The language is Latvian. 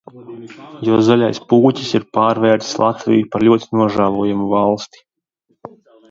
Jo zaļais pūķis ir pārvērtis Latviju par ļoti nožēlojamu valsti.